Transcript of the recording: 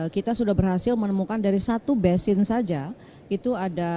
kita sudah berhasil menemukan beberapa perusahaan yang berhasil untuk memperbaiki energi terbarukan